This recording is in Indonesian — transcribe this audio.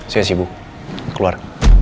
saya sibuk keluar